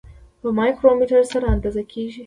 په مایکرومتر سره اندازه کیږي.